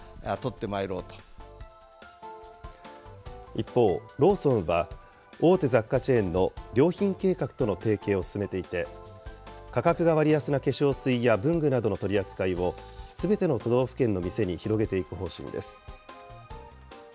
一方、ローソンは、大手雑貨チェーンの良品計画との提携を進めていて、価格が割安な化粧水や文具などの取り扱いを、すべての都道府県の店に広げていく方針です。